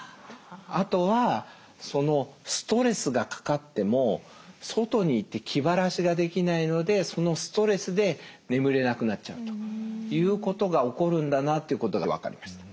あとはストレスがかかっても外に行って気晴らしができないのでそのストレスで眠れなくなっちゃうということが起こるんだなということが分かりました。